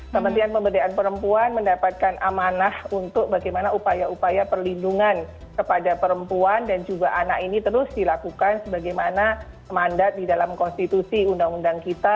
kementerian pemberdayaan perempuan mendapatkan amanah untuk bagaimana upaya upaya perlindungan kepada perempuan dan juga anak ini terus dilakukan sebagaimana mandat di dalam konstitusi undang undang kita